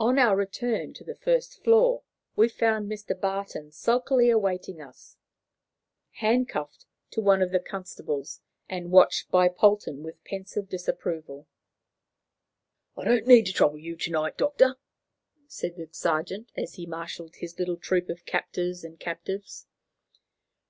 On our return to the first floor, we found Mr. Barton sulkily awaiting us, handcuffed to one of the constables, and watched by Polton with pensive disapproval. "I needn't trouble you to night, Doctor," said the sergeant, as he marshalled his little troop of captors and captives.